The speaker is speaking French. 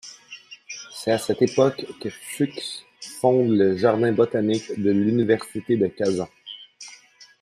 C'est à cette époque que Fuchs fonde le jardin botanique de l'université de Kazan.